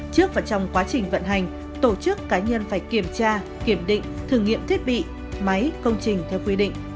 trước và trong quá trình vận hành tổ chức cá nhân phải kiểm tra kiểm định thử nghiệm thiết bị máy công trình theo quy định